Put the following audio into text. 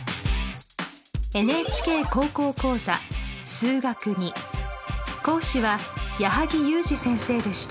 「ＮＨＫ高校講座数学Ⅱ」講師は矢作裕滋先生でした。